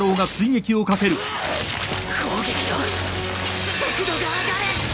攻撃の速度が上がる！